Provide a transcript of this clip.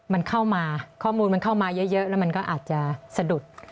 มันเข้ามาข้อมูลมันเข้ามาเยอะแล้วมันก็อาจจะสะดุด